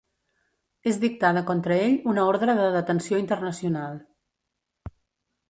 És dictada contra ell una ordre de detenció internacional.